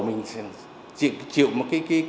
mình sẽ chịu một cái